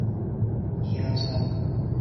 他也是正规表示法的发明者。